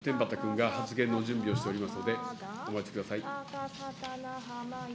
天畠君が発言の準備をしておりますのでお待ちください。